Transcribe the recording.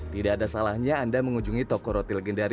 tidak ada salahnya anda mengunjungi toko roti legendaris